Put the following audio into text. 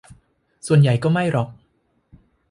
ส่วนใหญ่ก็ไม่หรอก